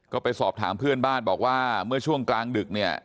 ก็ไปสอบถามเพื่อนบ้านบอกว่าเมื่อช่วงกลางดึกเนี่ย